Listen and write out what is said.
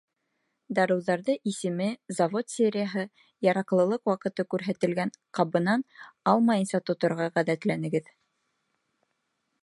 Дарыуҙарҙы исеме, завод серияһы, яраҡлылыҡ ваҡыты күрһәтелгән ҡабынан алмайынса тоторға ғәҙәтләнегеҙ.